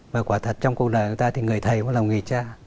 và quả thật trong cuộc đời của người ta thì người thầy cũng là một người cha